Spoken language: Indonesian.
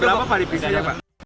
berapa pak dipisahnya pak